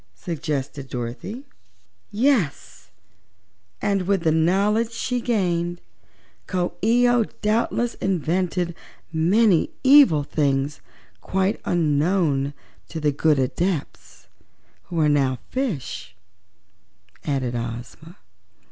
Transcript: suggested Dorothy. "Yes, and with the knowledge she gained Coo ee oh doubtless invented many evil things quite unknown to the good Adepts, who are now fishes," added Ozma.